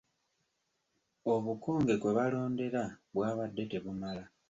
Obukonge kwe balondera bwabadde tebumala.